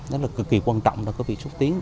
nó là cực kỳ quan trọng là có việc xúc tiến